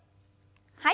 はい。